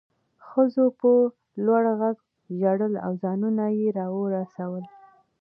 ښځو په لوړ غږ ژړل او ځانونه یې راورسول